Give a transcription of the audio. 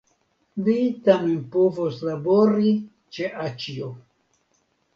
Vi tamen povos labori ĉe aĉjo.